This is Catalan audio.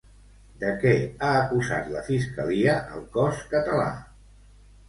De què ha acusat la fiscalia al cos català?